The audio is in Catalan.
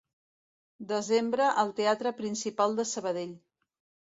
Desembre al Teatre Principal de Sabadell.